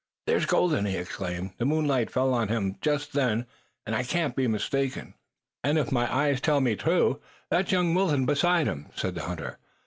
"There's Colden!" he exclaimed. "The moonlight fell on him just then, and I can't be mistaken." "And if my eyes tell me true, that's young Wilton beside him," said the hunter.